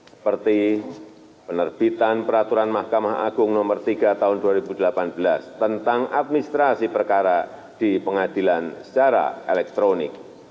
seperti penerbitan peraturan mahkamah agung nomor tiga tahun dua ribu delapan belas tentang administrasi perkara di pengadilan secara elektronik